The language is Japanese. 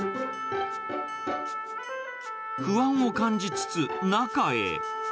不安を感じつつ中へ。